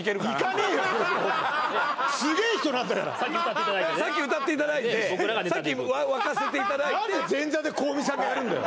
すげえ人なんだよ先歌っていただいてね先歌っていただいて先沸かせていただいて何で前座で香美さんがやるんだよ